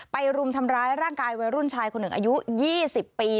รุมทำร้ายร่างกายวัยรุ่นชายคนหนึ่งอายุ๒๐ปี